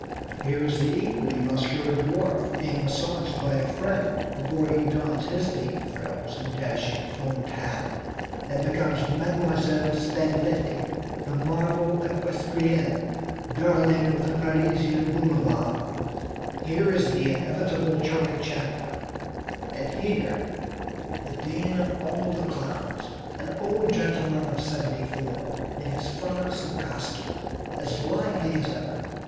Here is the equally muscular dwarf, being massaged by a friend before he dons his pink frills and dashing plumed hat and becomes Mlle. Spangletti, "the marvel equestrienne, darling of the Parisian boulevards." Here is the inevitable Charley Chaplin, and here the dean of all the clowns, an old gentleman of seventy four, in his frolicsome costume, as lively as ever.